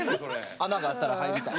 穴があったら入りたい。